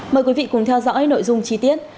mời quý vị cùng theo dõi nội dung chi tiết